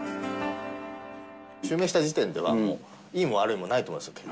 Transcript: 襲名した時点ではもう、いいも悪いもないと思いますよ。